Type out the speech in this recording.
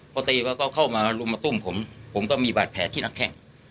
พอตีว่าก็เข้ามารุมมาตุ้มผมผมก็มีบาดแผลที่นักแข้ง